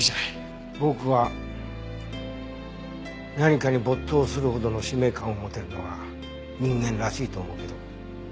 僕は何かに没頭するほどの使命感を持てるのは人間らしいと思うけど。